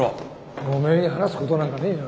おめえに話すことなんかねえよ。